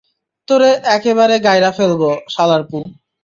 তোরে একেবারে গাইড়া ফেলব, শ্লারপু।